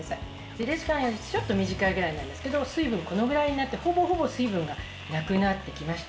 ゆで時間よりちょっと短いぐらいなんですが水分がこのぐらいになってほぼほぼ水分がなくなってきました。